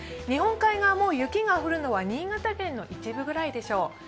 日本海側も雪が降るのは新潟県の一部くらいでしょう。